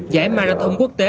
giải marathon quốc tế